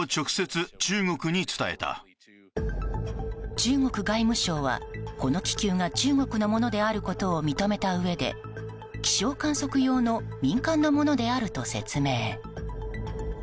中国外務省は、この気球が中国のものであることを認めたうえで、気象観測用の民間のものであると説明。